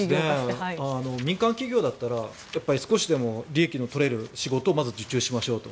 民間企業だったら少しでも利益のとれる仕事を、まず受注しましょうと。